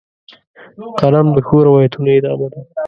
قلم د ښو روایتونو ادامه ده